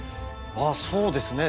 そうですね。